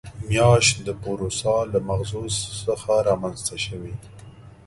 میاشت د پوروسا له مغزو څخه رامنځته شوې.